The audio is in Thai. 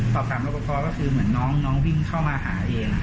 สอบถามรับประพอก็คือเหมือนน้องวิ่งเข้ามาหาเอง